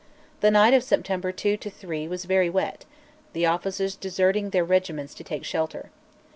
The night of September 2 3 was very wet, the officers deserted their regiments to take shelter.